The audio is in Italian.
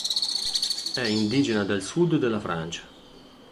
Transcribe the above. È indigena del sud della Francia.